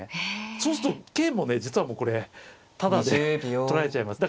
そうすると桂もね実はもうこれタダで取られちゃいます。